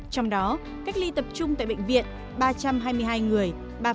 trong đó cách ly tập trung tại bệnh viện ba trăm hai mươi hai người ba